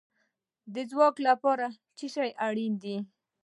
د ځواک لپاره څه شی اړین دی؟